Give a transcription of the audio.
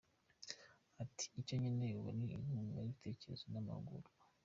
Ati “Icyo nkeneye ubu ni inkunga y’ibitekerezo n’amahugurwa.